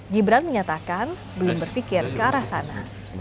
gibran menyatakan belum berpikir ke arah sana